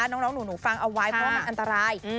น้องหนูฟังเอาไว้เพราะว่ามันอันตราย